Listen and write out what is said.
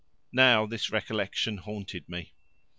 Now this recollection haunted me.